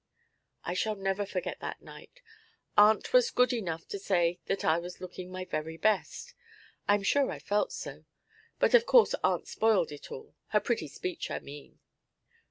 'I shall never forget that night! Aunt was good enough to say that I was looking my very best. I am sure I felt so. But of course aunt spoiled it all her pretty speech, I mean.